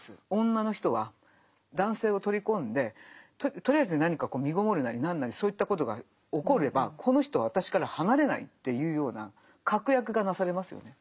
女の人は男性を取り込んでとりあえず何かみごもるなり何なりそういったことが起こればこの人は私から離れないっていうような確約がなされますよね。